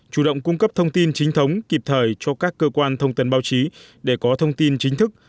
thông tin chính thống kịp thời cho các cơ quan thông tấn báo chí để có thông tin chính thức